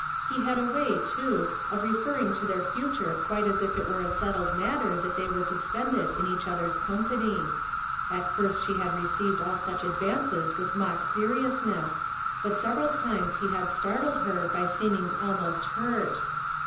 He had a way, too, of referring to their future quite as if it were a settled matter that they were to spend it in each other's company. At first she had received all such advances with mock serious ness, but several times he had startled her by seeming almost hurt.